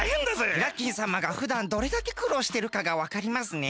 イラッキンさまがふだんどれだけくろうしてるかがわかりますね。